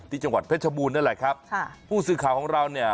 จังหวัดเพชรบูรณนั่นแหละครับค่ะผู้สื่อข่าวของเราเนี่ย